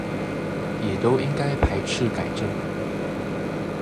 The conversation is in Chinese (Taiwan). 也都應該排斥改正